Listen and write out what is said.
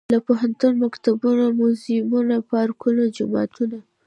لکه پوهنتونه ، مکتبونه موزيمونه، پارکونه ، جوماتونه.